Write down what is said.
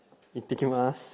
いってきます。